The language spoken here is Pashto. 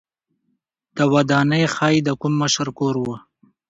دا ودانۍ ښايي د کوم مشر کور و